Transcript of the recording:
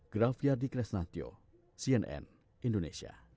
graf yardi kresnatyo cnn indonesia